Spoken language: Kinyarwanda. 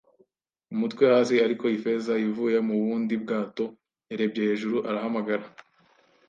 umutwe hasi. ” Ariko Ifeza, ivuye mu bundi bwato, yarebye hejuru arahamagara